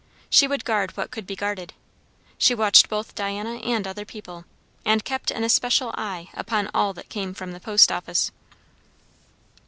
She would guard what could be guarded. She watched both Diana and other people, and kept an especial eye upon all that came from the post office.